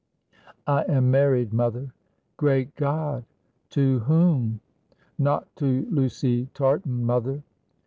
"I am married, mother." "Great God! To whom?" "Not to Lucy Tartan, mother."